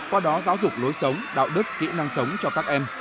qua đó giáo dục lối sống đạo đức kỹ năng sống cho các em